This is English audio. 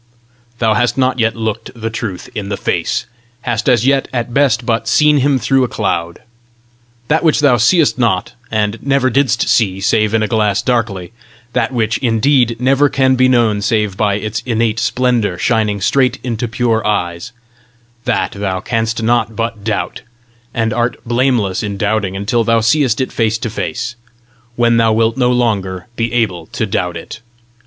Thou hast not yet looked the Truth in the face, hast as yet at best but seen him through a cloud. That which thou seest not, and never didst see save in a glass darkly that which, indeed, never can be known save by its innate splendour shining straight into pure eyes that thou canst not but doubt, and art blameless in doubting until thou seest it face to face, when thou wilt no longer be able to doubt it.